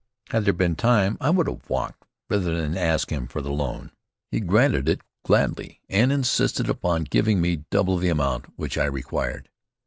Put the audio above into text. Had there been time I would have walked rather than ask him for the loan. He granted it gladly, and insisted upon giving me double the amount which I required.